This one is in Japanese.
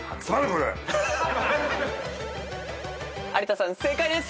有田さん正解です。